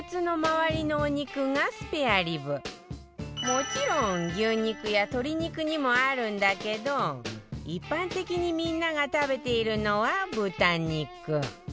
もちろん牛肉や鶏肉にもあるんだけど一般的にみんなが食べているのは豚肉